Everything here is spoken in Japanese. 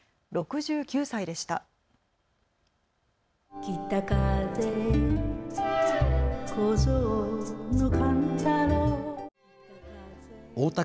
６９歳でした。